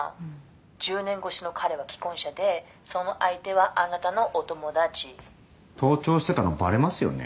１０年越しの彼は既婚者でその相手はあなたのお友達盗聴してたのバレますよね